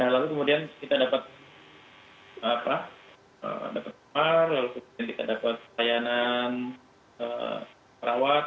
lalu kemudian kita dapat kamar lalu kemudian kita dapat layanan perawat